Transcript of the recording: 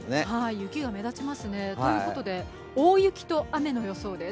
雪が目立ちますね、ということで大雪と雨の予想です。